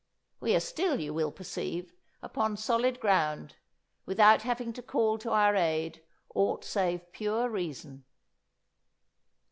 We are still, you will perceive, upon solid ground, without having to call to our aid aught save pure reason."